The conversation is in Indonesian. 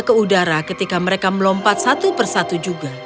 ke udara ketika mereka melompat satu persatu juga